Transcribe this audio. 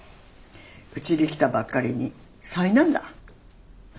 うちに来たばっかりに災難だ。